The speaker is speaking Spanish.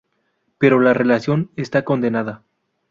Pero la relación está condenada.